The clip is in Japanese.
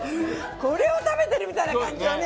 これを食べてるみたいな感じよね。